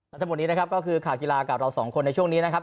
และทั้งหมดนี้นะครับก็คือข่าวกีฬากับเราสองคนในช่วงนี้นะครับ